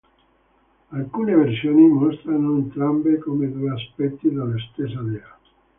Alcune versioni mostrano entrambe come due aspetti della stessa dea.